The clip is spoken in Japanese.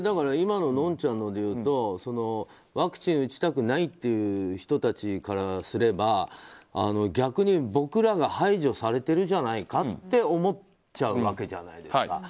今ののんちゃんで言うとワクチンを打ちたくないという人たちからすれば逆に、僕らが排除されてるじゃないかって思っちゃうわけじゃないですか。